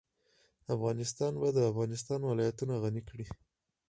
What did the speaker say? افغانستان په د افغانستان ولايتونه غني دی.